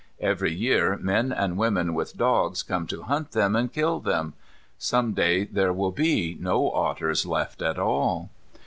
Every year men and women with dogs come to hunt them and kill them. Some day there will be no otters left at all.